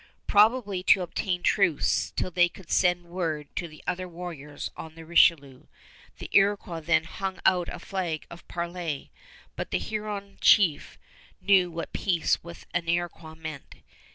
Probably to obtain truce till they could send word to the other warriors on the Richelieu, the Iroquois then hung out a flag of parley; but the Huron chief knew what peace with an Iroquois meant.